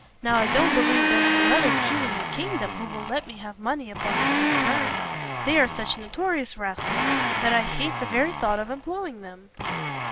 Now I don't believe there is another Jew in the kingdom who will let me have money upon the same terms; they are such notorious rascals, that I hate the very thought of employing them."